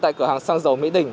tại cửa hàng xăng dầu mỹ đình